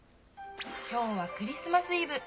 今日はクリスマスイブ。